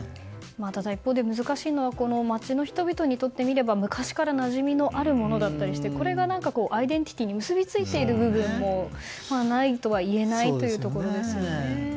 ただ一方で、難しいのは町の人々にとってみれば昔からなじみのあるものだったりしてこれがアイデンティティーに結びついている部分もないとは言えないですよね。